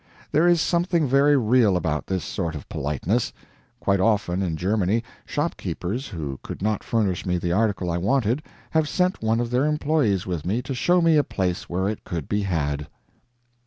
There is something very real about this sort of politeness. Quite often, in Germany, shopkeepers who could not furnish me the article I wanted have sent one of their employees with me to show me a place where it could be had.